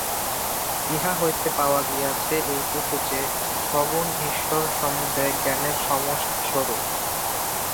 ইহা হইতে পাওয়া গিয়াছে এইটুকু যে, সগুণ ঈশ্বর সমুদয় জ্ঞানের সমষ্টিস্বরূপ।